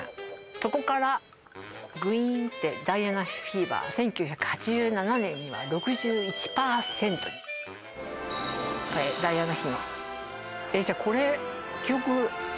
そこからグイーンってダイアナ妃フィーバー１９８７年には６１％にこれダイアナ妃のじゃあこれ記憶ありますか？